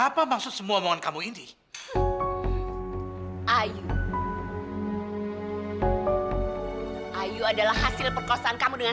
sampai jumpa di video selanjutnya